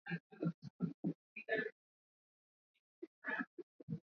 ni ushahidi tosha unaoonesha kuwa Kiswahili kipijini wala bali ni lugha kama zilivyo hizo